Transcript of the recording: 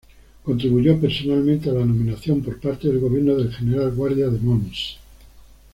Contribuyó personalmente a la nominación, por parte del gobierno del General Guardia, de Mons.